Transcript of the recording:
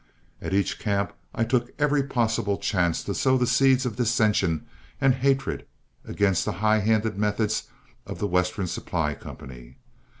At each camp I took every possible chance to sow the seeds of dissension and hatred against the high handed methods of The Western Supply Company.